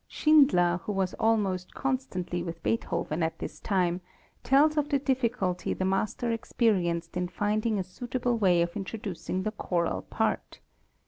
Schindler, who was almost constantly with Beethoven at this time, tells of the difficulty the master experienced in finding a suitable way of introducing the choral part.